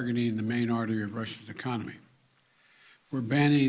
menargetkan arti utama ekonomi rusia